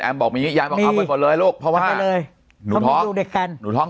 แอมบอกมีอย่างงี้ยังบอกเอาไปเลยเอาไปเลยเพราะว่าหนูท้อง